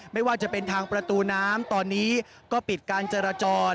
ไม่ว่าจะเป็นทางประตูน้ำตอนนี้ก็ปิดการจราจร